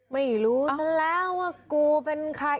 ไม่รู้ซะแล้วว่ากูเป็นใคร